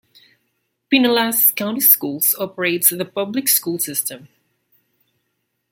Pinellas County Schools operates the public school system.